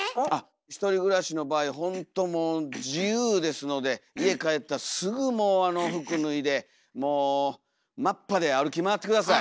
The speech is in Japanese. １人暮らしの場合ほんともう自由ですので家帰ったらすぐもう服脱いでもうまっぱで歩き回って下さい。